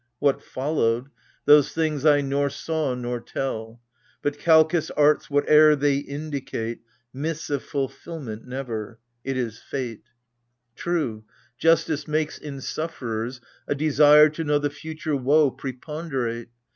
What followed — those things I nor saw nor tell. But Kalchas' arts, — whate'er they indicate, — Miss of fulfilment never : it is fate. 22 AGAMEMNON. True, justice makes, in sufferers, a desire To know the future woe preponderate.